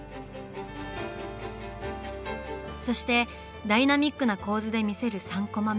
そしてダイナミックな構図で見せる３コマ目。